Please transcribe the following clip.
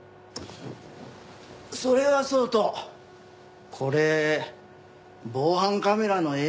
それはそうとこれ防犯カメラの映像じゃないよね？